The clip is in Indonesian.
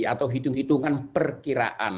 atau hitung hitungan perkiraan